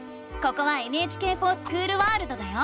ここは「ＮＨＫｆｏｒＳｃｈｏｏｌワールド」だよ！